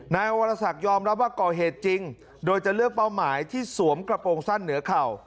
นายวรสักยอมรับว่าก่อเหตุจริงโดยจะเลือกเป้าหมายที่สวมกระโปรงสั้นเหนือเข่า